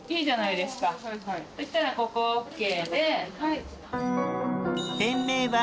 そしたらここＯＫで。